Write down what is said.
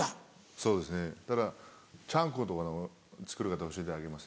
そうですねだからちゃんことか作り方教えてあげます。